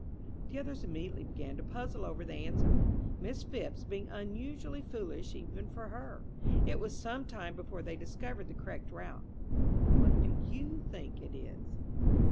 The others immediately began to puzzle over the answer, Miss Phipps being unusually foolish, even for her. It was some time before they discovered the correct route. What do you think it is?